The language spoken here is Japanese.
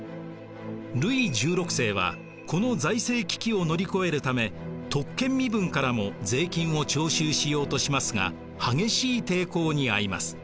ルイ１６世はこの財政危機を乗り越えるため特権身分からも税金を徴収しようとしますが激しい抵抗にあいます。